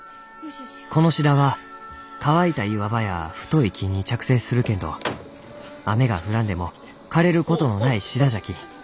このシダは乾いた岩場や太い木に着生するけんど雨が降らんでも枯れることのないシダじゃき。